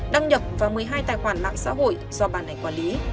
đăng nhập vào một mươi hai tài khoản mạng xã hội do bà này quản lý